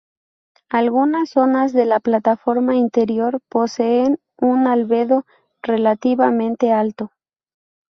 Algunas zonas de la plataforma interior poseen un albedo relativamente alto.